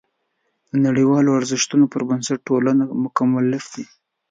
د نړیوالو ارزښتونو پر بنسټ دولتونه مکلف دي.